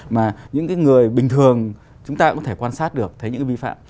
mà những người bình thường chúng ta cũng có thể quan sát được thấy những cái vi phạm